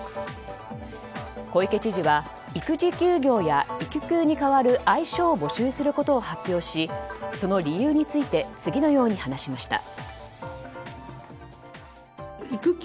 小池知事は育児休業や育休に代わる愛称を募集することを発表しその理由について次のように話しました。